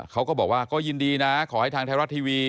เขาก็บอกว่าก็ยินดีนะขอให้ทางไทยรัฐทีวี